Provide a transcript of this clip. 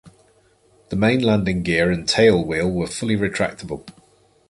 The main landing gear and tail wheel were fully retractable.